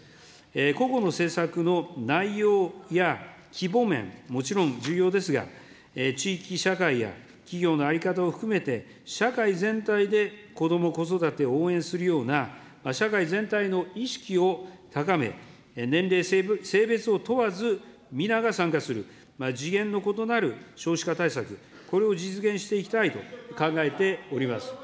個々の政策の内容や規模面、もちろん重要ですが、地域社会や企業の在り方を含めて、社会全体でこども・子育てを応援するような、社会全体の意識を高め、年齢・性別を問わず、皆が参加する、次元の異なる少子化対策、これを実現していきたいと考えております。